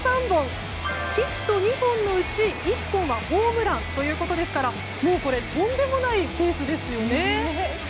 ヒット２本のうち、１本はホームランということですからもう、これとんでもないペースですよね。